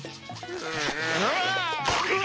うわ！